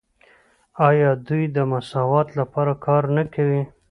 آیا دوی د مساوات لپاره کار نه کوي؟